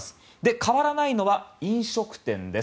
変わらないのが飲食店です。